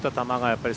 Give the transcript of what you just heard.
やっぱり